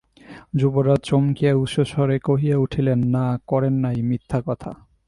যুবরাজ চমকিয়া উচ্চস্বরে কহিয়া উঠিলেন, না, করেন নাই, মিথ্যা কথা।